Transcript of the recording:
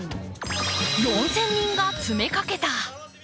４０００人が詰めかけた。